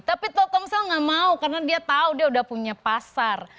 tapi telkomsel gak mau karena dia tahu dia udah punya pasar